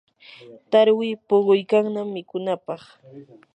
tarwi puquykannam mikunapaq.